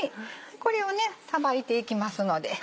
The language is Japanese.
これをさばいていきますので。